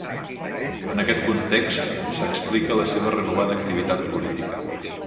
En aquest context, s'explica la seva renovada activitat política.